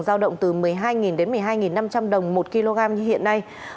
giao động từ một mươi hai đến một mươi hai năm trăm linh đồng một kg như hiện nay